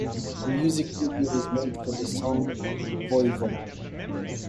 A music video was made for the song "Voivod".